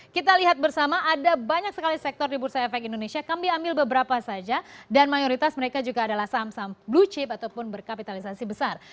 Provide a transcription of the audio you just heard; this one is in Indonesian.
kita lihat bersama ada banyak sekali sektor di bursa efek indonesia kami ambil beberapa saja dan mayoritas mereka juga adalah saham saham blue chip ataupun berkapitalisasi besar